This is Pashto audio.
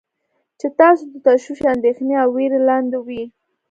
چې تاسو د تشویش، اندیښنې او ویرې لاندې وی.